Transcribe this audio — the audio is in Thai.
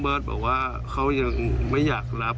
รู้ใจเบิร์ตตลอดนะครับ